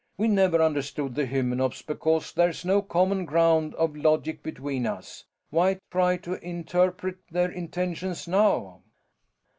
We never understood the Hymenops because there's no common ground of logic between us. Why try to interpret their intentions now?"